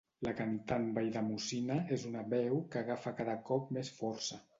La cantant valldemossina és una veu que agafa cada cop més força